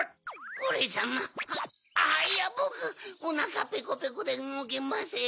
オレさまあっいやぼくおなかペコペコでうごけません。